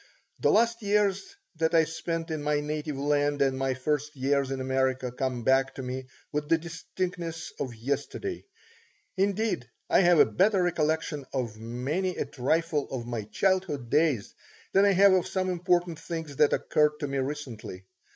The last years that I spent in my native land and my first years in America come back to me with the distinctness of yesterday. Indeed, I have a better recollection of many a trifle of my childhood days than I have of some important things that occurred to me recently.